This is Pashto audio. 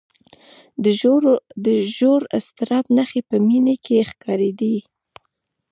د ژور اضطراب نښې په مينې کې ښکارېدې